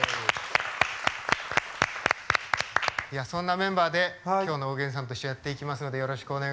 そんなメンバーで今日の「おげんさんといっしょ」やっていきますのでよろしくお願いします。